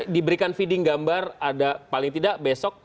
diberikan feeding gambar ada paling tidak besok